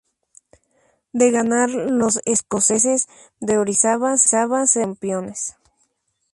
De ganar los escoceses de Orizaba serán los campeones.